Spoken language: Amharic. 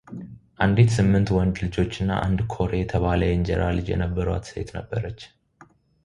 አንዲት ስምንት ወንድ ልጆችና አንድ ኮሬ የተባለ የእንጀራ ልጅ የነበሯት ሴት ነበረች፡፡